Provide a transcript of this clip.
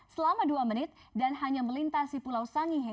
selama dua menit dan hanya melintasi pulau sangihe